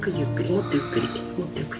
もっとゆっくり。